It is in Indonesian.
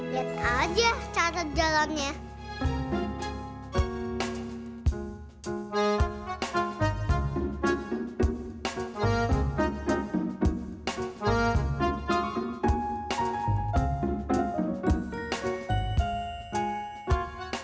lihat aja cara jalan nya